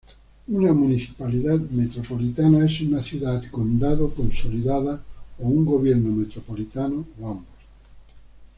Una municipalidad metropolitana es una ciudad-condado consolidada o un gobierno metropolitano, o ambos.